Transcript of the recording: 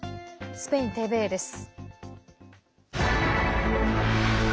スペインＴＶＥです。